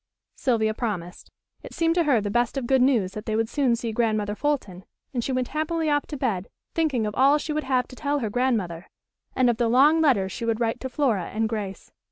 Sylvia promised. It seemed to her the best of good news that they would soon see Grandmother Fulton, and she went happily off to bed thinking of all she would have to tell her grandmother, and of the long letters she would write to Flora and Grace.